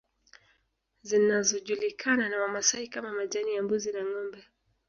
Zinazojulikana na Wamasai kama majani ya mbuzi na ngombe